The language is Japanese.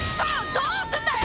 どうすんだよ！